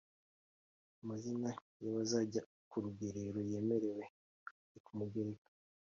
Amazina y’abazajya ku rugerero yemerewe ari ku mugereka